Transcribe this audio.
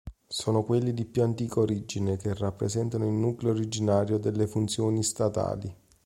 Sono quelli di più antica origine, che rappresentano il nucleo originario delle funzioni statali.